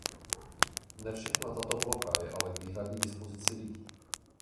Ne všechna tato plocha je ale k výhradní dispozici lidí.